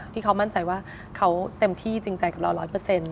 ที่เขามั่นใจว่าเขาเต็มที่จริงใจกับเรา๑๐๐